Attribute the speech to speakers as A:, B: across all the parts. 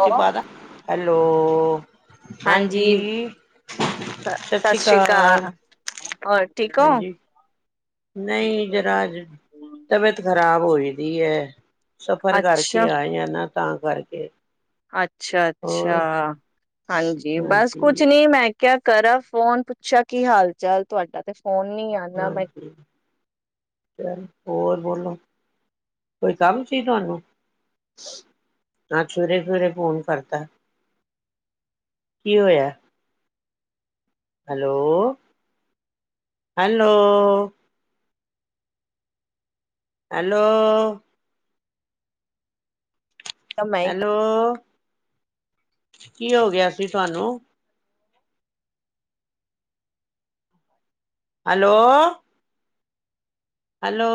A: Hello,
B: hello ਹਾਂਜੀ ਸਤਿ ਸ੍ਰੀ ਅਕਾਲ,
A: ਹੋਰ ਠੀਕ ਹੋ?
B: ਹਾਂਜੀ ਨਹੀਂ ਜ਼ਰਾ ਅੱਜ ਤਬੀਅਤ ਖ਼ਰਾਬ ਹੋਈ ਕਿਹਦੀ ਹੈ? ਸਫ਼ਰ
A: ਅੱਛਾ,
B: ਕਰਕੇ ਆਏ ਆ ਨਾ। ਤਾਂ ਕਰਕੇ
A: ਅੱਛਾ- ਅੱਛਾ
B: ਹੋਰ
A: ਹਾਂਜੀ ਬਸ ਕੁਛ
B: ਹਾਂਜੀ
A: ਨੀ ਮੈਂ ਕਿਆ ਕਰਾ ਫੋਨ ਪੁੱਛਿਆ ਕੀ ਹਾਲ ਚਾਲ ਤੁਹਾਡਾ ਤੇ? ਫੋਨ ਨਹੀਂ ਆਨਾ ਮੈਂ
B: ਚੱਲ, ਹੋਰ ਬੋਲੋ ਕੋਈ ਕੰਮ ਸੀ ਤੁਹਾਨੂੰ ਅੱਜ ਸਵੇਰੇ- ਸਵੇਰੇ ਫੋਨ ਕਰ ਤਾ। ਕੀ ਹੋਇਆ? ਹੈਲੋ, ਹੈਲੋ ਹੈਲੋ
A: ਕਿਹਾ ਮੈਂ
B: ਹੈਲੋ
A: ਹੀ
B: ਕੀ ਹੋ ਗਿਆ ਸੀ ਤੁਹਾਨੂੰ? ਹੈਲੋ ਹੈਲੋ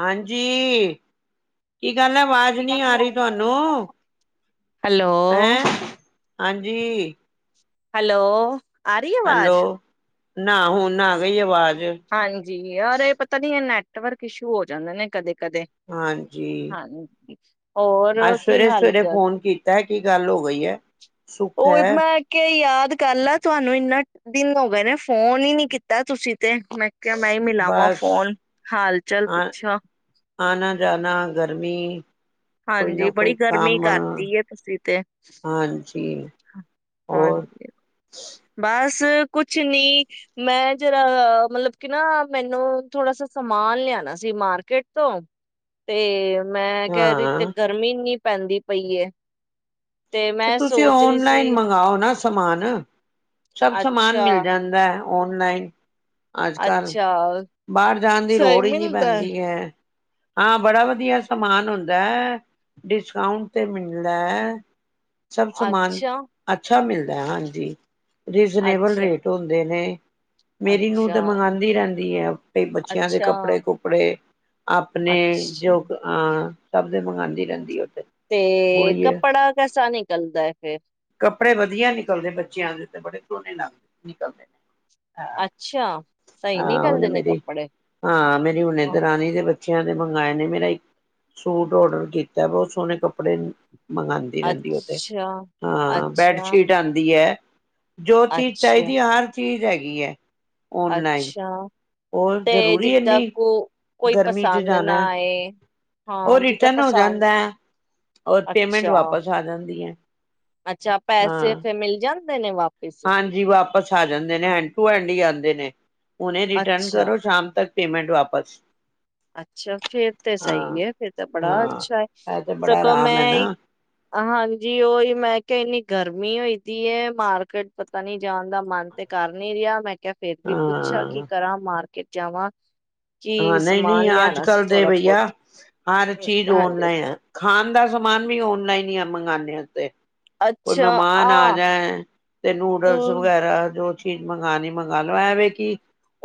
B: ਹਾਂਜੀ, ਕੀ ਗੱਲ ਅਵਾਜ਼ ਨਹੀਂ ਆ ਰਹੀ ਤੁਹਾਨੂੰ,
A: ਹੈਲੋ,
B: ਹੈੰ ਹਾਂਜੀ
A: ਹੈਲੋ ਆ ਰਹੀ ਹੈ ਆਵਾਜ਼?
B: ਹੈਲੋ ਨਾ ਹੁਨ ਆ ਗਈ ਆਵਾਜ਼।
A: ਹਾਂਜੀ, ਯਾਰ ਇਹ ਪਤਾ ਨੀ ਇਹ ਨੈ ਨੈਟਵਰਕ ਇਸ਼ੂ ਹੋ ਜਾਂਦੇ ਨੇ ਕਦੇ ਕਦੇ,
B: ਹਾਂਜੀ
A: ਹਾਂਜੀ ਹੋਰ
B: ਅੱਜ
A: ਕੀ ਹਾਲ
B: ਸਵੇਰੇ-ਸਵੇਰੇ
A: ਚਾਲ?
B: ਫੋਨ ਕੀਤਾ? ਕੀ ਗੱਲ ਹੋ ਗਈ ਹੈ ਸੁੱਖ
A: ਉਹ
B: ਹੈ
A: ਮੈਂ ਕਿਹਾ ਯਾਰ ਗੱਲ ਆ ਤੁਹਾਨੂੰ ਇੰਨਾ ਦਿਨ ਹੋ ਗਏ ਨੇ ਫੋਨ ਹੀ ਨੀ ਕੀਤਾ ਤੁਸੀਂ ਤੇ ਮੈਂ ਕਿਹਾ ਮੈਂ ਮਿਲਾਵਾਂ
B: ਬਸ
A: ਫੋਨ ਹਾਲ ਚਾਲ ਪੁੱਛਿਆ
B: ਆਨਾ ਜਾਨਾ ਗਰਮੀ ਕੋਈ
A: ਹਾਂਜੀ
B: ਨਾ
A: ਬੜੀ
B: ਕੋਈ
A: ਗਰਮੀ
B: ਕੰਮ
A: ਕਰਦੀ ਹੈ ਤੁਸੀਂ ਤੇ
B: ਹਾਂਜੀ ਹੋਰ
A: ਹਾਂਜੀ ਬਸ ਕੁਛ ਨੀ ਮੈਂ ਜਰਾ ਮਤਲਬ ਕਿ ਨਾ ਮੈਨੂੰ ਥੋੜਾ ਸ ਸਮਾਨ ਲਿਆਣਾ ਸੀ ਮਾਰਕੀਟ ਤੋਂ ਤੇ ਮੈਂ ਕਹਿ ਰ ਤੇ
B: ਹਾਂ
A: ਗਰਮੀ ਇੰਨੀ ਪੈਂਦੀ ਪਈ
B: ਤੇ
A: ਮੈਂ
B: ਤੁਸੀਂ
A: ਸੋਚ ਰਹੀ
B: ਓਨਲਾਈਨ
A: ਸੀ
B: ਮੰਗਵਾਓ ਨਾ ਸਮਾਨ ਸਭ ਸਮਾਨ ਮਿਲ
A: ਅੱਛਾ
B: ਜਾਂਦਾ ਹੈ ਔਨਲਾਈਨ ਅੱਜ ਕੱਲ੍ਹ
A: ਅੱਛਾ
B: ਬਾਹਰ ਜਾਣ ਦੀ
A: ਸਹੀ
B: ਲੋੜ ਹੀ ਨਹੀਂ
A: ਮਿਲਦਾ
B: ਪੈਂਦੀ ਹੈ ਹਾਂ ਬੜਾ ਵਧੀਆ ਸਮਾਨ ਹੁੰਦਾ ਹੈ ਡਿਸਕਾਊਂਟ ਤੇ ਮਿਲਦਾ ਹੈ ਸਭ ਸਮਾਨ ਅੱਛਾ ਅੱਛਾ ਮਿਲਦਾ ਹੈ ਹਾਂਜੀ ਰੀਜ਼ਨੇਬਲ
A: ਅੱਛਾ
B: ਰੇਟ ਹੁੰਦੇ ਨੇ ਮੇਰੀ ਨੂੰਹ ਤੇ ਮੰਗਵਾਉਂਦੀ ਰਹਿੰਦੀ ਹੈ ਬੱਚਿਆਂ ਦੇ ਕੱਪੜੇ ਕੁਪੜੇ ਆਪਣੇ ਜੋ ਅਹ ਸਭ ਦੇ ਮੰਗਾਉਂਦੀ ਰਹਿੰਦੀ ਹ
A: ਤੇ ਕੱਪੜਾ ਕੈਸਾ ਨਿਕਲਦਾ ਹੈ ਤੇ
B: ਕੱਪੜੇ ਵਧੀਆ ਨਿਕਲਦੇ ਬੱਚਿਆਂ ਦੇ ਤੇ ਬੜੇ ਸੋਹਣੇ ਲੱਗਦੇ ਨਿਕਲਦੇ ਨੇ ਹਾਂ ਉਹਨੇ ਮੇਰੀ ਹਾਂ ਮੇਰੀ ਹੁਨੇ ਤੇ ਰਾਣੀ ਦੇ ਬੱਚੇ ਬੱਚਿਆਂ ਦੇ ਮੰੰਗਵਾਏ ਨੇ ਮੇਰਾ ਇੱਕ ਸੂਟ ਔਡਰ ਕੀਤਾ ਬਹੁਤ ਸੋਹਣੇ ਕੱਪੜੇ ਮੰਗਵਾਉਂਦੀ ਰਹਿੰਦੀ ਉਹ ਤੇ ਹਾਂ ਬੈਡਸ਼ੀਟ ਆਉਂਦੀ ਹੈ ਜੋ ਚੀਜ਼ ਚਾਹੀਦੀ ਹੈ ਹਰ ਚੀਜ਼ ਹੈਗੀ ਹੈ
A: ਅੱਛਾ
B: ਉਹ ਜ਼ਰੂਰੀ ਇੰਨੀ
A: ਕੋਈ
B: ਗਰਮੀ 'ਚ
A: ਪਸੰਦ ਨਾ
B: ਜਾਣਾ
A: ਆਏ
B: ਉਹ
A: ਹਾਂ ਜਿੱਦਾਂ
B: ਰਿਟਰਨ ਹੋ
A: ਪਸੰਦ
B: ਜਾਂਦਾ ਹੈ ਔਰ ਪੇਮੈਂਟ
A: ਅੱਛਾ
B: ਵਾਪਸ ਆ ਜਾਂਦੀ ਹੈ
A: ਅੱਛਾ ਪੈਸੇ ਫਿਰ ਮਿਲ ਜਾਣ ਨੇ ਵਾਪ
B: ਹਾਂਜੀ ਵਾਪਸ ਆ ਜਾਂਦੇ ਨੇ ਹੈਂਡ ਟੂ ਹੈਂਡ ਹੀ ਆ ਨੇ ਹੁਨੇ ਰਿਟਰਨ
A: ਅੱਛਾ
B: ਕਰੋ ਸ਼ਾਮ ਤੱਕ ਪੇਮੈਂਟ ਵਾਪਸ।
A: ਅੱਛਾ ਫੇਰ ਤੇ
B: ਹਾਂ
A: ਸਹੀ ਹੈ ਫੇਰ ਤਾਂ ਬੜਾ
B: ਹਾਂ
A: ਅੱਛਾ ਹੈ
B: ਇਹ ਤੇ ਬੜਾ
A: ਸਗੋਂ
B: ਆਰਾਮ ਐ ਨਾ
A: ਮੈਂ ਹਾਂਜੀ ਉਹੀ ਮੈਂ ਕਿਹਾ ਇੰਨੀ ਗਰ ਗਰਮੀ ਹੋਈ ਦੀ ਹੈ ਮਾਰਕੀਟ ਪਤਾ ਨੀ ਜਾਣ ਦਾ ਮਨ ਤੇ ਕਰ ਨਹੀਂ ਰਿਹਾ ਮੈਂ ਕਿਹਾ ਫੇਰ ਵੀ ਪੁੱਛਾ ਕਿ
B: ਹਾਂ
A: ਕਰਾਂ ਮਾਰਕੀਟ ਜਾਵਾਂ? ਕੀਸ।
B: ਅੱਜ ਕੱਲ ਦੇ ਬਈਆ ਹਰ
A: ਅਮ,
B: ਚੀਜ਼
A: ਹਾਂਜੀ
B: ਓਨਲਾਈਨ ਹੈ। ਖਾਣ ਦਾ ਸਮਾਨ ਵੀ ਔਨਲਾਈਨ ਹੀ ਮੰਗਵਾਉਂਦੇ ਹਾਂ ਅਸੀ ਤੇ। ਕੋਈ ਮਹਿਮਾਨ ਆ ਜਾਏ ਤੇ ਨੂਡਲਸ
A: ਅਮ,
B: ਵਗੈਰਾ ਜੋ। ਚੀਜ਼ ਮੰਗਾਨੀ ਮੰਗਵਾ ਲਓ ਐ ਵੇਂ ਕਿ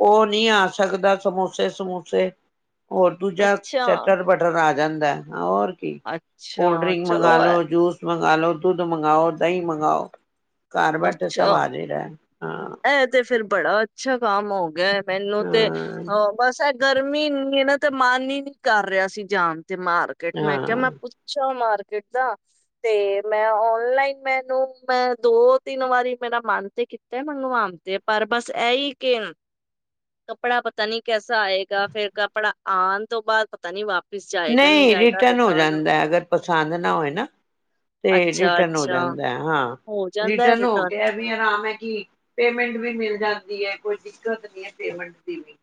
B: ਉਹ ਨਹੀ ਆ ਸਕਦਾ ਸਮੋਸਾ ਸਮੋਸੇ ਸਮੁਸੇ। ਹੋਰ ਦੁਜਾ
A: ਅੱਛਾ
B: ਚਟਰ ਬਟਰ ਆ ਜ ਜਾਂਦਾ ਹੋਰ। ਕੀ ਕੋਲਡ
A: ਅੱਛਾ
B: ਡ੍ਰਿੰਕ
A: ਚਲੋ
B: ਮੰਗਾ ਲੋ
A: ਐ-
B: ਜੂਸ ਮੰਗ ਮੰਗਲੋ ਦੁੱਧ ਮੰਗਾਓ ਦਹੀਂ ਮੰਗਾਓ। ਘਰ ਬੈਠੇ ਸਭ
A: ਅੱਛਾ
B: ਹਾਜਿਰ ਹੈ। ਹਾਂ
A: ਇਹ ਤੇ ਫੇਰ ਬੜਾ ਅੱਛਾ ਕੰਮ ਹੋ ਗਿਆ ਮੈਨੂੰ ਤੇ
B: ਹਾਂ
A: ਅ ਬਸ ਇਹ ਗਰਮੀ ਇੰਨੀ ਏ ਨਾਂ ਤੇ ਮਨ ਹੀ ਨਹੀ ਕਰ ਰਿਹਾ ਸੀ ਜਾਨ ਮਾਰਕੀਟ ਮੈਂ ਕਿਹਾ
B: ਹਾਂ
A: ਮੈਂ ਪੁੱਛਾਂ ਮਾਰ ਤੇ ਮੈਂ ਔਨਲਾਈਨ ਮੈਨੂੰ ਮੈਂ ਦੋ ਤਿੰਨ ਵਾਰੀ ਮੇਰਾ ਮਨ ਤੇ ਕੀਤਾ ਤੇ ਮੰਗਵਾਨਦੇ ਪਰ ਬਸ ਇਹ ਹੀ ਕਿ ਕੱਪੜਾ ਪਤਾ ਨੀ ਕੈਸਾ ਆਏਗਾ ਫੇਰ ਕੱਪੜਾ ਆਉਣ ਤੋਂ ਬਾਅਦ ਪਤਾ ਨੀ ਵਾਪ
B: ਨਹੀਂ ਰਿਟਰਨ ਹੋ ਜਾਂਦਾ ਐ ਅਗਰ ਪਸੰਦ ਨਾ ਹੋਏ ਨਾ। ਤੇ
A: ਅੱਛਾ
B: ਰਿਟਰਨ ਹੋ
A: ਅੱਛਾ
B: ਜਾਂਦਾ ਹਾਂ
A: ਹੋ ਜਾਂਦਾ
B: ਰਿਟਰਨ ਹੋ ਕੇ ਵੀ ਆਮ ਹੈ ਕਿ ਪੇਮੈਂਟ ਵੀ ਮਿਲ ਜਾਂਦੀ ਹੈ ਕੋਈ ਦਿੱਕਤ ਨੀ ਹੈ ਪੇਮੈਂਟ ਦੀ ਵੀ।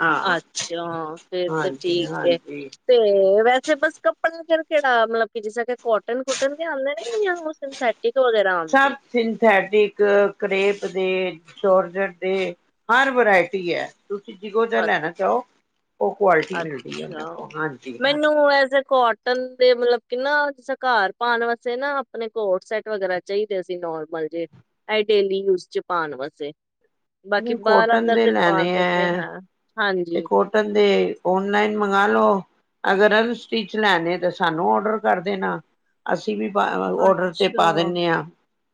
B: ਹਾਂ
A: ਅੱਛਾ ਫੇਰ ਤੇ
B: ਹਾਂਜੀ
A: ਠੀਕ ਹੈ।
B: ਹਾਂਜੀ
A: ਤੇ ਵੈਸੇ ਬਸ ਕੱਪੜਾ ਫਿਰ ਕਿਹੜਾ ਮਤਲਬ ਕੀ ਜਿਸਰਾ ਕੇ ਕੋਟਨ ਕੁਟਨ ਵੀ ਆਉਂਦੇ ਨੇ ਜਾਂ ਉਹ ਸਿੰਥੈਟਿਕ ਵਗੈਰਾ ਆਉਂਦੇ
B: ਸਭ
A: ਨੇ।
B: ਤੇ ਜੋਰਜਟ ਏ ਹਰ ਵਰਾਇਟੀ ਹੈ। ਤੁਸੀਂ ਜਿਹੋ ਜਿਹਾ ਲੈਣਾ ਚਾਹੋ ਉਹ ਕੁਆਲਿਟੀ ਮਿਲਦੀ ਹੈ
A: ਅੱਛਾ
B: ਉਹਨਾਂ ਕੋਲ ਹਾਂਜੀ ਹਾਂਜੀ
A: ਮੈਨੂੰ ਐਜ ਇਕ ਕਾਟਨ ਦੇ ਮਤਲਬ ਆਪਣੇ ਨਾ ਘਰ ਪਾਉਣ ਵਾਸਤੇ ਪਾਉਣ ਵਾਸਤੇ ਨਾ ਆਪਣੇ ਕੋਟ ਸੈਟ ਵਗੈਰਾ ਚਾਹੀਦੇ ਸੀ ਨੋਰਮਲ ਜੇ ਏ ਡੇਲੀ ਯੂਜ ਚ ਪਾਉਣ ਵਾਸਤੇ। ਬਾਕੀ ਬਾਹਰ
B: ਕੋਟਨ
A: ਅੰਦਰ
B: ਦੇ
A: ਪਾਣ
B: ਲੈਣੇ
A: ਦੇ ਤੇ
B: ਹੈ ਤੇ
A: ਹਾਂਜੀ
B: ਕੋਟਨ ਦੇ ਓਨਲਾਈਨ ਮੰਗਵਾ ਲਓ ਅਗਰ ਅਨ ਸਟਿਚ ਲੈਣੇ ਤਾਂ ਸਾਨੂੰ ਔਡਰ ਕਰ ਦੇਣਾ ਅ ਅਸੀਂ ਵੀ ਪਾ ਔਡਰ ਤੇ ਪਾ
A: ਅੱਛਾ
B: ਦਿੰਦੇ ਹਾਂ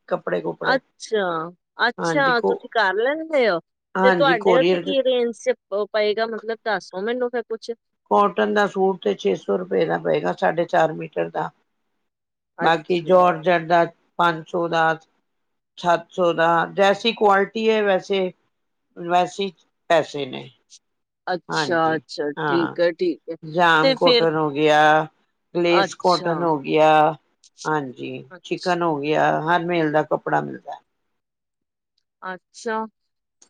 B: ਕੱਪੜੇ ਕੁਪੜੇ
A: ਅੱਛਾ,
B: ਹਾਂ
A: ਅੱਛਾ
B: ਦੇਖੋ
A: ਤੁਸੀਂ ਕਰ ਲੈਂਦੇ ਤੇ ਤੁਹਾਡੇ ਉੱਥੇ ਕੀ ਰੇਂਜ ਚ ਪਏਗਾ ਮਤਲਬ ਦੱਸੋ ਮੈਨੂੰ ਫਿਰ ਕੁੱਛ
B: ਕਟਨ ਦਾ ਸੂਟ ਤੇ ਛੇ ਸੌ ਰੁਪਏ ਦਾ ਪਏਗਾ ਸਾਢੇ ਚਾਰ ਮੀਟਰ ਦਾ ਬਾਕੀ
A: ਅੱਛਾ,
B: ਜੋਰ ਜੱਟ ਦਾ ਪੰਜ ਸੌ ਦਾ ਸੱਤ ਸੌ ਦਾ ਜੈਸੀ ਕੁਆਲਿਟੀ ਹੈ ਵੈਸੇ ਵੈਸੀ ਪੈਸੇ ਨੇ ਹਾਂਜੀ
A: ਅੱਛਾ, ਅੱਛਾ
B: ਹਾਂ
A: ਠੀਕ ਹੈ, ਠੀਕ ਹੈ।
B: ਜਾਮ
A: ਤੇ ਫੇਰ
B: ਕੋਟਨ ਹੋ ਗਿਆ ਗਲੇਸ
A: ਅੱਛਾ,
B: ਕੋਟਨ ਹੋ ਗਿਆ ਹਾਂਜੀ ਚਿਕਨ ਹੋ
A: ਅੱਛਾ,
B: ਗਿਆ ਹਰ ਮੇਲ ਦਾ ਾ ਕੱਪੜਾ ਮਿਲਦਾ ਹੈ
A: ਅੱਛਾ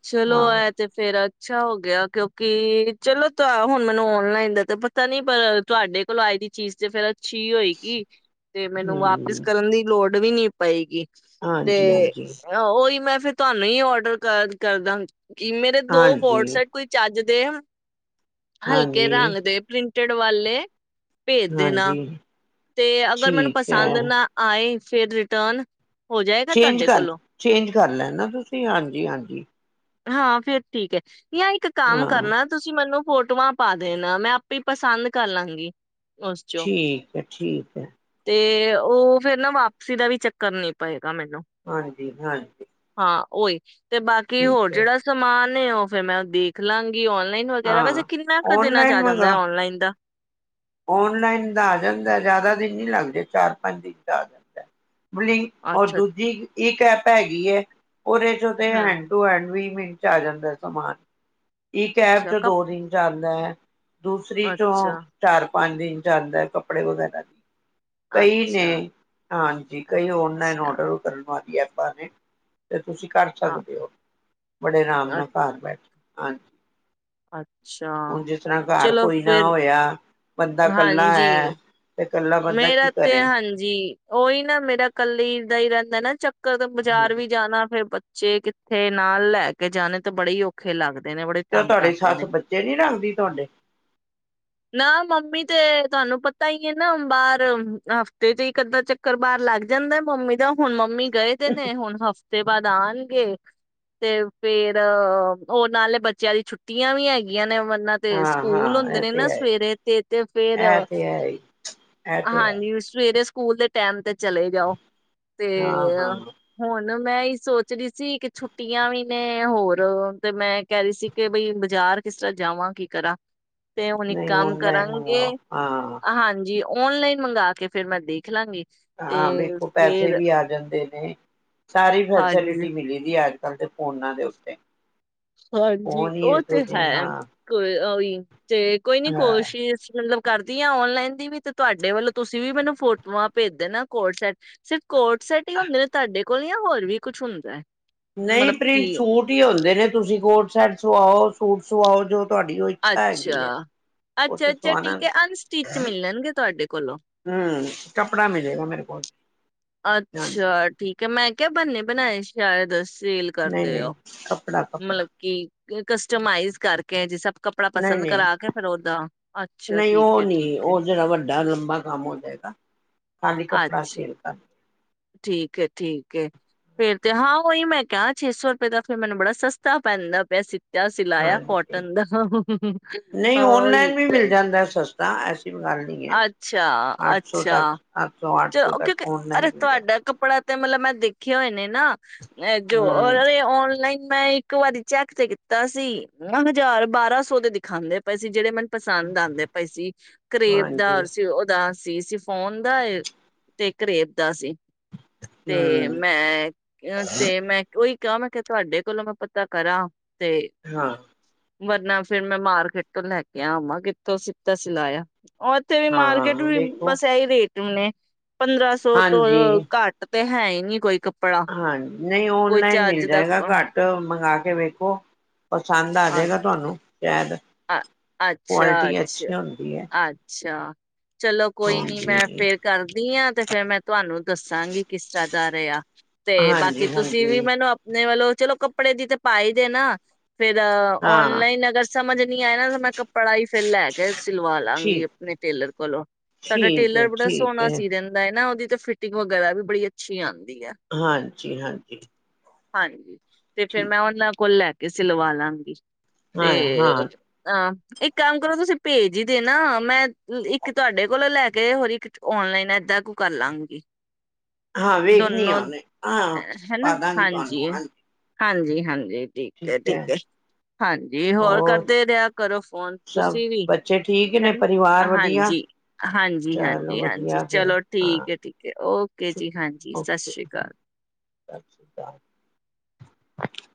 A: ਚਲੋ
B: ਹਾਂ
A: ਐ ਤੇ ਫੇਰ ਅੱਛਾ ਹੋ ਗਿਆ ਕਿਉਂਕਿ ਚਲੋ ਹੁਣ ਮੈਨੂੰ ਔਨਲਾਈਨ ਦਾ ਤਾਂ ਪਤਾ ਨੀ ਪਰ ਤੁਹਾਡੇ ਕੋਲੋਂ ਆਏ ਦੀ ਚੀਜ਼ ਤੇ ਫੇਿਰ ਪੁੱਛੀ ਹੋਏਗੀ ਤੇ ਮੈਨੂੰ ਵਾਪਿਸ
B: ਹਮ
A: ਕਰਨ ਦੀ ਲੋੜ ਉਹ ਵੀ ਨਹੀਂ ਪਾਵੇਗੀ ਤੇ
B: ਹਾਂਜੀ ਹਾਂਜੀ
A: ਉਹੀ ਮੈਂ ਫਿਰ ਤੁਹਾਨੂੰ ਹੀ ਔਡਰ ਕਰ ਕਰਦਾ ਕਿ ਮੇਰੇ ਦੋ
B: ਹਾਂਜੀ
A: ਵੋਟਸਟ ਕੋਈ ਚੱਜ ਦੇ ਹਲਕੇ
B: ਹਾਂਜੀ
A: ਰੰਗ ਦੇ ਪ੍ਰਿੰਟ ਕੁੜਤੇ ਵਾਲੇ ਭੇਜ ਦੇ ਨਾ
B: ਹਾਂਜੀ
A: ਤੇ ਅਗਰ ਮੈਨੂੰ
B: ਠੀਕ
A: ਪਸੰਦ
B: ਹੈ
A: ਨਾ ਆਏ ਫੇਿਰ ਰਿਟਰਨ ਹੋ ਜਾਏਗਾ
B: ਚੇਂਜ
A: ਤੁਹਾਡੇ
B: ਕਰ
A: ਕੋਲੋਂ
B: ਚੇਂਜ ਕਰ ਲੈਣਾ ਤੁਸੀਂ ਹਾਂਜੀ ਹਾਂਜੀ
A: ਹਾਂ ਫੇਿਰ ਠੀਕ ਹੈ ਜਾਂ ਇੱਕ ਕੰਮ
B: ਹਾਂ
A: ਕਰਨਾ ਤੁਸੀਂ ਮੈਨੂੰ ਫੋਟੋਆਂ ਪਾ ਦੇਣਾ ਮੈਂ ਆਪੇ ਪਸੰਦ ਕਰ ਲਾਂਗੀ ਉਸ ਚੋਂ
B: ਠੀਕ ਹੈ ਠੀਕ ਹੈ
A: ਤੇ ਉਹ ਫੇਿਰ ਨਾ ਵਾਪਸੀ ਦਾ ਵੀ ਚੱਕਰ ਨੀ ਪਾਏ
B: ਹਾਂਜੀ ਹਾਂਜੀ
A: ਉ ਓਹੀ ਤੇ ਬਾਕੀ ਹੋਰ
B: ਠੀਕ ਹੈ
A: ਜਿਹੜਾ ਸਮਾਨ ਨੇ ਉਹ ਫੇਿਰ ਮੈਂ ਉਹ ਦੇਖ ਲਾਂਗੀ ਔਨਲਾਈਨ ਵਗੈਰਾ ਵੈਸੇ
B: ਹਾਂ
A: ਕਿੰਨਾ ਕੁ ਦਿਨਾਂ ਚ ਆ ਜਾਂਦਾ ਹੈ ਔਨਲਾਈਨ ਦਾ
B: ਓਨਲਾਈਨ ਦਾ ਆ ਜਾਂਦਾ ਜ਼ਿਆਦਾ ਦਿਨ ਨਹੀਂ ਲੱਗਦੇ ਚਾਰ ਪੰਜ ਦਿਨ ਦਾ ਆ ਜਾਂਦਾ ਬਲੀ ਔਰ
A: ਅੱਛਾ
B: ਦੂਜੀ ਇੱਕ ਐਪ ਹੈਗੀ ਹੈ ਉਹਦੇ ਚ ਹੈਂਡ
A: ਹਮ
B: ਟੂ ਹੈਂਡ ਵੀ ਮ ਆ ਜਾਂਦਾ ਸਮਾਨ ਇਹ ਐਪ
A: ਅੱਛਾ
B: ਚੋਂ
A: ਕੱਪ
B: ਦੋ ਦਿਨ ਚ ਰ ਦ ਦੂਸਰੀ ਚੋਂ
A: ਅੱਛਾ
B: ਚਾਰ ਪੰਜ ਦਿਨ ਚੱਲਦਾ ਕੱਪੜੇ ਵਗੈਰਾ ਦੀ ਕਈ
A: ਅੱਛਾ
B: ਨੇ ਹਾਂਜੀ ਕਈ ਔਨਲਾਈਨ
A: ਅੱਛਾ
B: ਔਡਰ ਕਰਨ ਵਾਲੀ ਹੈ ਪਾਣੇ ਤੇ ਤੁਸੀਂ ਕਰ
A: ਆ-
B: ਸਕਦੇ ਹੋ ਬੜੇ ਆਰਾਮ
A: ਅ-
B: ਨਾਲ ਘਰ ਬੈਠੇ ਹਾਂਜੀ
A: ਅੱਛਾ
B: ਹੁਣ ਜਿਸ ਤਰ੍ਹਾਂ ਘਰ
A: ਚਲੋ
B: ਕੋਈ ਨਾ
A: ਫਿਰ
B: ਹੋਇਆ ਬੰਦਾ ਇਕੱਲਾ
A: ਹਾਂਜੀ
B: ਹੈ ਤੇ ਕੱਲਾ ਬੰਦਾ ਕੀ
A: ਮੇਰਾ ਤੇ
B: ਕਰੇ।
A: ਹਾਂਜੀ ਉਹੀ ਨਾ ਮੇਰਾ ਕੱਲੀ ਦਾ ਹੀ ਰਹਿੰਦਾ ਨਾ ਚੱਕਰ ਬਾਜ਼ਾਰ ਵੀ ਜਾਣਾ ਫੇਰ ਬੱਚੇ ਕਿੱਥੇ ਨਾਲ ਲੈ ਕੇ ਜਾਣੇ ਤਾਂ ਬੜੇ ਹੀ ਔਖੇ ਲੱਗਦੇ ਨੇ ਬੜੇ
B: ਤੇ ਉਹ
A: ਤੰਗ
B: ਤੁਹਾਡੀ
A: ਕਰਦੇ
B: ਸੱਸ
A: ਨੇ
B: ਬੱਚੇ ਨੀ ਰੱਖਦੀ ਤੁਹਾਡੇ
A: ਨਾ ਮੰਮੀ ਤੇ ਤੁਹਾਨੂੰ ਪਤਾ ਹੀ ਨਾ ਬਾਹਰ ਹਫ਼ਤੇ ਚ ਹੀ ਕੱਦਾਾਂ ਚੱਕਰ ਬਾਹਾਰ ਲੱਗ ਜਾਂਦਾ ਮੰਮੀ ਦਾ ਹੁਣ ਮੰਮੀ ਗਏ ਤੇ ਨੇ ਹੁਣ ਹਫ਼ਤੇ ਤੇ ਬਾਅਦ ਆਉਣਗੇ ਤੇ ਫੇਰ ਉਹ ਨਾਲੇ ਬੱਚਿਆਂ ਦੀ ਛੁੱਟੀਆਂ ਵੀ ਹੈਗੀਆਂ ਨੇ ਇਹਨਾਂ ਤੇ
B: ਹਾਂ
A: ਸਕੂਲ
B: ਹਾਂ
A: ਹੁੰਦੇ
B: ਇਹ
A: ਨੇ ਨਾ
B: ਤੇ ਹੈ
A: ਸਵੇਰੇ ਤੇ ਤੇ ਫੇਰ
B: ਇਹ ਤੇ ਹੈ ਹੀ, ਇਹ ਤੇ ਹੈ
A: ਹਾਂਜੀ ਸਕੂਲ ਦੇ ਟਾਈਮ ਤੇ ਚਲੇ ਜਾਓ ਤੇ
B: ਹਾਂ ਹਾਂ
A: ਹੁਣ ਮ ਮੈਂ ਇਹ ਸੋਚ ਰਹੀ ਸੀ ਕਿ ਛੁੱਟੀਆਂ ਵੀ ਨੇ ਹੋਰ ਤੇ ਮੈਂ ਕਹਿ ਰਹੀ ਸੀ ਕਿ ਬਈ ਬਾਜ਼ਾਰ ਕਿਸ ਤਰ੍ਹਾਂ ਜਾਵਾਂ ਕੀ ਕਰਾਂ ਤੇ ਹੁਣ ਇੱਕ
B: ਨਹੀਂ
A: ਕੰਮ
B: ਆਨਲਾਈਨ
A: ਕਰਾਂਗੇ
B: ਮੰਗਾਓ ਹਾਂ
A: ਹਾਂਜੀ ਔਨਲਾਈਨ ਮੰਗਾ ਕੇ ਫੇਿਰ ਮੈਂ ਦੇਖ ਲਾਂਗੀ ਤੇ
B: ਹਾਂ ਵੇਖੋ ਪੈਸੇ
A: ਫੇਰ
B: ਵੀ ਆ ਜਾਂਦੇ ਨੇ ਸਾਰੀ
A: ਹਾਂਜੀ
B: ਫੈਸਿਲਿਟੀ ਮਿਲੀ ਦੀ ਅੱਜ ਅੱਜ ਕੱਲ ਦੇ ਫੋਨਾਂ ਦੇ ਉੱਤੇ
A: ਹਾਂਜੀ
B: ਫੋਨ ਹੀ
A: ਉਹ
B: ਇਹੋ
A: ਤੇ
B: ਜਿਹੇ
A: ਹੈ ਕ
B: ਹਾਂ
A: ਕੋਈ ਉਹੀ, ਹਹ ਜੇ ਕੋਈ ਨੀ
B: ਹਾਂ
A: ਕੋਸ਼ਿਸ਼ ਮਤਲਬ ਕਰਦੀ ਆ ਓਨਲਾਈਨ ਦੀ ਵੀ ਤੇ ਤੁਹਾਡੇ ਵੱਲੋਂ ਤੁਸੀਂ ਵੀ ਮੈਨੂੰ ਫੋਟੋਆਂ ਭੇਜ ਦੇਣਾ ਨਾ ਕੋਟ ਸੈਟ ਸਿਰਫ। ਕੋਟ ਸੈਟ ਹੀ ਹੁੰਦੇ ਨੇ ਤੁਹਾਡੇ ਕੋਲ ਹੋਰ ਵੀ ਕੁਝ ਹੁੰਦਾ!
B: ਨਹੀਂ
A: ਮਤਲਬ ਕੀ
B: ਪ੍ਰਿੰਟ ਸੂਟ ਹੀ ਹੁੰਦੇ ਨੇ ਤੁਸੀਂ, ਕੋਟ ਸ਼ੈਟ ਸੁਆਓ ਸੂਟ ਸੁਆਓ ਜੋ, ਤੁਹਾਡੀ ਓ ਇੱਛਾ ਹੈਗੀ ਹੈ
A: ਅੱਛਾ
B: ਉਥੇ
A: ਅੱਛਾ-ਅੱਛਾ
B: ਸੁਆਣਾ
A: ਠੀਕ ਹੈ ਅਨਸਟਿਚ
B: ਹੁ
A: ਮਿਲਣਗੇ ਤੁਹਾਡੇ ਕੋਲੋਂ।
B: ਕੱਪੜਾ ਮਿਲੇਗਾ ਮੇਰੇ ਕੋਲ ਹਾਂਜੀ
A: ਅੱਛਾ! ਠੀਕ ਹੈ ਮੈਂ। ਕੇ ਬਣੇ ਸ਼ਾਇਦ ਸੇਲ
B: ਨਹੀਂ
A: ਕਰਦੇ
B: ਨਹੀਂ
A: ਹੋ
B: ਕੱਪੜਾ ਕੱਪੜਾ
A: ਮਤਲਬ ਕੀ ਕਸਟਮਾਈਜ਼ ਕਰਕੇ ਜਿਸ ਕੱਪੜਾ
B: ਨਹੀਂ
A: ਪਸੰਦ
B: ਨਹੀਂ
A: ਕਰਾ ਕੇ ਫੇਰ ਉਦਾ ਅੱਛਾ
B: ਨਹੀਂ
A: ਠੀਕ
B: ਉਹ
A: ਹੈ,
B: ਨਹੀਂ
A: ਠੀਕ ਹੈ।
B: ਉਹ ਜਿਹੜਾ ਵੱਡਾ ਲੰਬਾ ਕੰਮ ਹੋ ਜਾਏਗਾ। ਖਾਲੀ ਕੱਪੜਾ ਵੀ
A: ਅੱਛਾ
B: ਸੇਲ ਕਰ।
A: ਠੀਕ! ਠੀਕ! ਫੇਰ ਤੇ ਹਾਂ ਉਹੀ ਮੈਂ ਕਿਹਾ ਛੇ ਸੌ ਰੁਪਏ ਦਾ ਤਾ ਫੇਰ ਮੈਨੂੰ ਬੜਾ ਸਸਤਾ ਪੈਂਦਾ ਪਿਆ ਸੀ। ਜਦ ਸਿਲਾਇਆ
B: ਹਾਂਜੀ
A: ਕੋਟਨ ਦਾ
B: ਨਹੀਂ
A: ਹਾਂਹੀ
B: ਮੰਗਵਾ ਲੈਂਦੀ ਹੈ। ਅੱਠ ਸੌ ਤੱਕ ਅੱਠ ਸੌ ਸੌ
A: ਚ ਉਕੇ,
B: ਤੱਕ
A: ਉਕੇ, ਅਰੇ
B: ਔਨਲਾਈਨ ਮਿਲੇ
A: ਤੁਹਾਡਾ ਕੱਪੜਾ ਤੇ ਮਤਲਬ ਮੈਂ! ਦੇਖੇ, ਹੋਏ ਨੇ ਨਾ ਜੋ
B: ਹਮ
A: ਔਨਲਾਈਨ, ਔਨਲਾਈਨ ਮੈਂ ਇੱਕ ਵਾਰੀ ਚੈੱਕ ਤੇ ਕੀਤਾ ਸੀ ਨਾ ਹਜ਼ਾਰ ਬਾਰਾਂ ਸੌ ਦੇ ਦਿਖਾਉਂਦੇ ਪਏ ਸੀ ਜਿਹੜੇ ਮੈਨੂੰ! ਪਸੰਦ ਆਉਂਦੇ ਪਏ ਸੀ ਕਰੇਬ
B: ਹਾਂਜੀ
A: ਦਾ ਸੀ ਉਹਦਾ। ਸੀ! ਸੀ ਫੋਨ ਦਾ ਤੇ ਕਰੇਬ ਦਾ ਸੀ। ਤੇਂ
B: ਹਮ
A: ਮੈਂ ਤੇਂ ਮੈਂ ਉਹੀ! ਕਿਉਂ ਮੈਂ ਕਿਹਾ ਤੁਹਾਡੇ ਕੋਲੋਂ ਮੈਂ ਪਤਾ ਕਰਾਂ। ਤੇਂ
B: ਹਾਂ
A: ਵਰਨਾ ਫੇਰ ਮੈਂ ਮਾਰਕੀਟ ਤੋਂ ਲੈ ਕੇ ਆ ਆਵਾਂ ਕਿੱਥੋਂ ਸਿਤਾ ਸਿਲਾਇਆ। ਉਹ ਉੱਥੇ ਵੀ ਮਾਰਕੀਟ
B: ਹਾਂ
A: ਵੀ
B: ਦੇਖੋ
A: ਬਸ ਇਹੀ ਰੇਟ। ਤਮ ਨੇੇ, ਪੰਦਰਾਂ ਸੌ ਤੋਂ ਘੱਟ ਤੇ ਹੈ ਹੀ ਨਹੀ ਕੋਈ ਕੱਪੜਾ।
B: ਹਾਂ ਨਹੀਂ
A: ਕੋਈ
B: ਔਨਲਾਈਨ
A: ਚੱਜ
B: ਮਿਲ
A: ਦਾ
B: ਜਾਏਗਾ
A: ਅ-
B: ਘੱਟ ਮੰਗਵਾ ਕੇ ਏ ਵੇਖੋ ਪਸੰਦ ਆ ਜਾਏਗਾ ਤੁਹਾਨੂੰ ਸ਼ਾਇਦ
A: ਅ ਅੱਛਾ
B: ਕੁਆਲਿਟੀ
A: ਅੱਛਾ ਅੱਛ
B: ਅੱਛੀ ਹੁੰਦੀ ਹੈ
A: ਅੱਛਾ ਚਲੋ ਕੋਈ ਨੀ ਮੈਂ
B: ਹਾਂਜੀ
A: ਫੇਰ ਕਰਦੀ ਹਾਂ ਤੇ ਫੇਰ ਮੈਂ ਤੁਹਾਨੂੰ ਦੱਸਾਂਗੀ ਕਿਸ ਤਰ੍ਹਾਂ ਸਾਰੇ ਆ ਤੇ ਬਾਕੀ
B: ਹਾਂਜੀ
A: ਤੁਸੀਂ ਵੀ
B: ਹਾਂਜੀ
A: ਮੈਨੂੰ ਆਪਣੇ ਵੱਲੋਂ ਚਲੋ ਕੱਪੜੇ ਦੀ ਤੇ ਪਾਾਈ ਦੇ ਨਾ ਫੇਿਰ
B: ਹਾਂ
A: ਔਨਲਾਈਨ ਅਗਰ ਸਮਝ ਐਨਾਨੂੰ ਮੈਂ ਕੱਪੜਾ ਹੀ ਫਿਰ ਲੈ ਕੇ ਸਿਲਵਾ ਲਵਗੀ
B: ਠੀਕ
A: ਆਪਣੇ ਟੇਲਰ ਕੋਲੋਂ, ਸਾਡਾ
B: ਠੀਕ ਹੈ
A: ਟੇਲਰ ਬੜਾ
B: ਠੀਕ
A: ਸੋਹਣਾ
B: ਹੈ
A: ਸੀ ਰਹਿੰਦਾ ਹੈਨਾ ਉਹਦੀ ਫਿਟਿੰਗ ਵਗੈਰਾ ਵੀ ਬੜੀ ਅੱਛੀ ਆਉਂਦੀ ਹੈ
B: ਹਾਂਜੀ ਹਾਂਜੀ
A: ਹਾਂਜੀ ਤੇ ਫਿਰ
B: ਠੀਕ
A: ਮੈਂ ਉਹਨਾਂ ਕੋਲ ਲੈ ਕਿਸੇ ਲਵਾ ਲਾਂਗੀ
B: ਹਾਂ ਹਾਂ
A: ਹਾਂ ਇੱਕ ਕੰਮ ਕਰੋ ਤੁਸੀਂ ਭੇਜ ਹੀ ਦੇਨਾ, ਮੈਂ ਇੱਕ ਤੁਹਾਡੇ ਕੋਲੋਂ ਲੈ ਕੇ, ਹੋਰ ਔਨਲਾਈਨ ਏਦਾਂ ਕੁ ਕਰ ਲਵਾਂਗੀ
B: ਹਾਂ ਵੇਖਣੀ ਆ ਹੁਣੇ, ਹਾਂ ਪਾ ਦਾਂਗੀ ਤੁਹਾਨੂੰ ਹਾਂਜੀ
A: ਹਾਂਜੀ ਹਾਂਜੀ ਠੀਕ ਹੈ, ਠੀਕ ਹੈ, ਹਾਂਜੀ ਹੋਰ ਕਰ ਕਰੋ ਫੋਨ
B: ਸਭ
A: ਤੁਸੀਂ ਵੀ
B: ਬੱਚੇ ਠੀਕ ਨੇ
A: ਹੈਨਾ,
B: ਪਰਿਵਾਰ ਵਧੀਆ
A: ਹਾਂਜੀ ਹਾਂਜੀ
B: ਚਲੋ
A: ਹਾਂਜੀ ਹਾਂਜੀ
B: ਵਧੀਆ ਫਿਰ
A: ਚਲੋ
B: ਹਾਂ
A: ਠੀਕ ਹੈ, ਠੀਕ ਹੈ, ਔਕੇ
B: ਸ਼ੁ-
A: ਜੀ ਹਾਂਜੀ ਸਤਿ
B: ਓਕੇ
A: ਸ੍ਰੀ ਅਕਾਲ
B: ਸਤਿ ਸ਼੍ਰੀ ਅਕਾਲ